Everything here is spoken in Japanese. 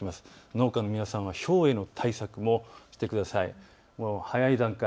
農家の皆さんはひょうへの対策もしてください。